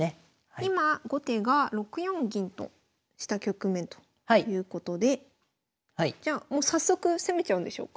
今後手が６四銀とした局面ということでじゃあもう早速攻めちゃうんでしょうか？